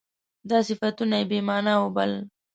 دا صفتونه یې بې معنا وبلل.